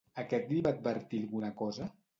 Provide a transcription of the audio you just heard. Aquest li va advertir alguna cosa?